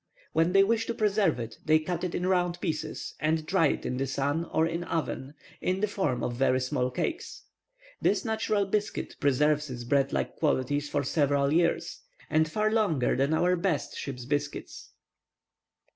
When they wish to preserve it, they cut it in round pieces, and dry it in the sun or in an oven, in the form of very small cakes. This natural biscuit preserves its bread like qualities for several years, and far longer than our best ship's biscuits."